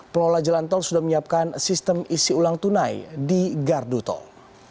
pelola jalan tol sudah menyiapkan sistem isi ulang tunai di gardu tol